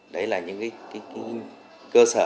đấy là những cơ sở